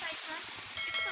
ini pak iksan